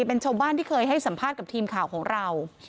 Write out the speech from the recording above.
เป็นชาวบ้านที่เคยให้สัมภาษณ์กับทีมข่าวของเรา